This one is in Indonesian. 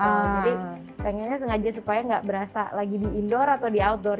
jadi pengennya sengaja supaya nggak berasa lagi di indoor atau di outdoor